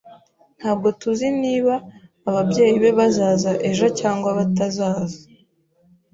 Ntabwo tuzi niba ababyeyi be bazaza ejo cyangwa batazaza.